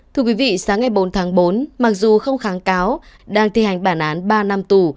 thưa quý vị sáng ngày bốn tháng bốn mặc dù không kháng cáo đang thi hành bản án ba năm tù